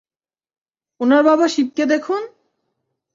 উনার বাবা শিবকে দেখুন?